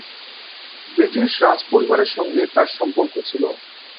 British রাজপরিবারের সঙ্গে তার সম্পর্ক ছিল।